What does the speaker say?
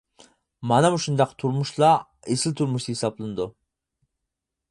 مانا مۇشۇنداق تۇرمۇشلا ئېسىل تۇرمۇش ھېسابلىنىدۇ.